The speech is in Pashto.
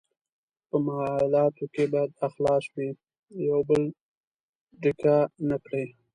په معالاتو کې باید اخلاص وي، یو بل ډیکه نه کړي.